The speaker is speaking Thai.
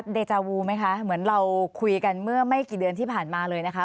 เดจาวูไหมคะเหมือนเราคุยกันเมื่อไม่กี่เดือนที่ผ่านมาเลยนะคะ